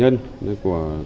của người dân